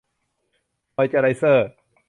มอยซ์เจอร์ไรเซอร์